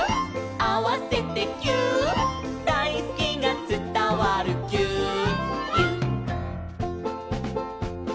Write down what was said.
「あわせてぎゅーっ」「だいすきがつたわるぎゅーっぎゅっ」